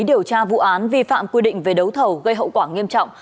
điều tra vụ án vi phạm quy định về đấu thầu gây hậu quả nghiêm trọng